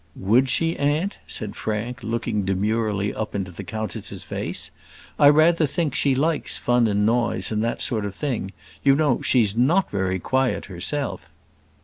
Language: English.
"Would she, aunt?" said Frank, looking demurely up into the countess's face. "I rather think she likes fun and noise, and that sort of thing. You know she's not very quiet herself."